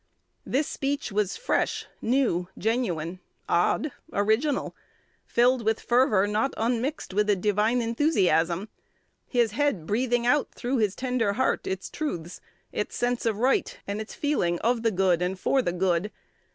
This speech was fresh, new, genuine, odd, original; filled with fervor not unmixed with a divine enthusiasm; his head breathing out through his tender heart its truths, its sense of right, and its feeling of the good and for the good.